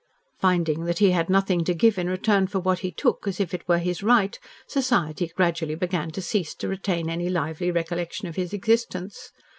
Finding that he had nothing to give in return for what he took as if it were his right, society gradually began to cease to retain any lively recollection of his existence.